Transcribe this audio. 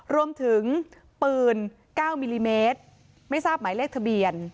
รวมถึงปืน๙มิลลิเมตรไม่ทราบหมายเลขทะเบียน